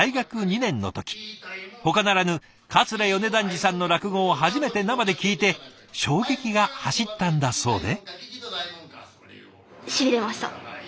ほかならぬ桂米團治さんの落語を初めて生で聴いて衝撃が走ったんだそうで。